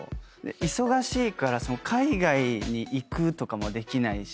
忙しいから海外に行くとかもできないし。